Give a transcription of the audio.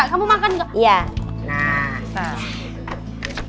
kamu makan kak